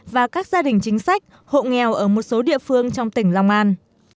và các gia đình chính sách hộ nghèo ở một số địa phương trong tỉnh long an